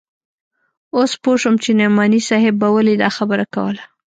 اوس پوه سوم چې نعماني صاحب به ولې دا خبره کوله.